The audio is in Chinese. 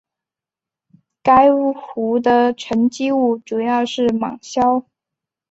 该湖的沉积物主要是芒硝。